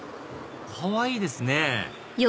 かわいいですね！